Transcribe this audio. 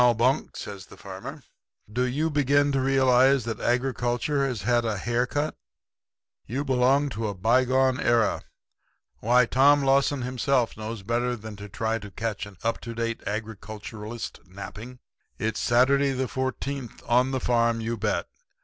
"'Now, Bunk,' says the farmer, 'do you begin to realize that agriculture has had a hair cut? You belong in a bygone era. Why, Tom Lawson himself knows better than to try to catch an up to date agriculturalist napping. It's Saturday, the Fourteenth, on the farm, you bet.